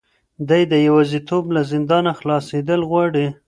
دی د یوازیتوب له زندانه خلاصېدل غواړي.